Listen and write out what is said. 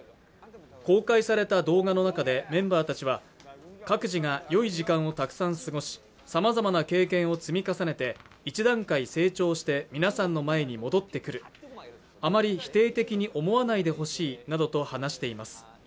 公開された動画の中でメンバーたちは各自が良い時間をたくさん過ごしさまざまな経験を積み重ねて一段階成長して皆さんの前に戻ってくるあまり否定的に思わないでほしいなどと話しています